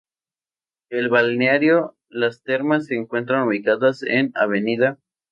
El Balneario las termas se encuentra ubicado en Av.